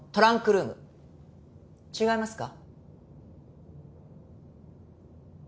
違いますか？